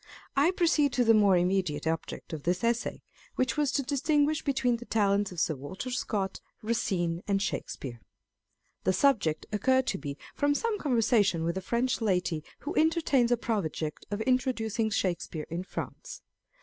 I proceed t'o the more immediate object of this Essay, which was to distinguish between the talents of Sir Walter Scott, Racine, and Shakespeare. The subject occurred to me from some conversation with a French lady, who en tertains a project of introducing Shakespeare in France.